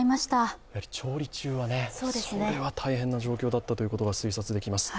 調理中、大変な状況だったということが推察できます。